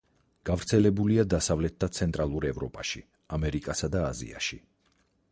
გავრცელებულია დასავლეთ და ცენტრალურ ევროპაში, ამერიკასა და აზიაში.